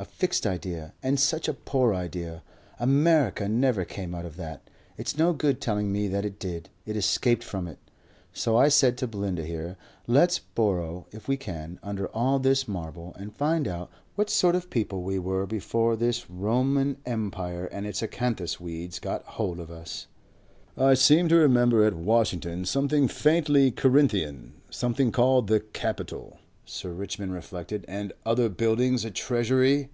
A fixed idea. And such a poor idea!... America never came out of that. It's no good telling me that it did. It escaped from it.... So I said to Belinda here, 'Let's burrow, if we can, under all this marble and find out what sort of people we were before this Roman empire and its acanthus weeds got hold of us.'" "I seem to remember at Washington, something faintly Corinthian, something called the Capitol," Sir Richmond reflected. "And other buildings. A Treasury."